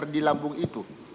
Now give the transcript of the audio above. di lambung itu